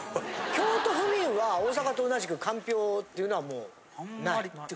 京都府民は大阪と同じくかんぴょうっていうのはもうない？